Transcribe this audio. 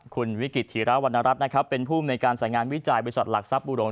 ขนวิกิจถีราวันรัฐนะครับเป็นครับคนในการแสงงานวิจัยบริษัทหลักทรัพย์อารมณ์อุตระภาพอุตโหรง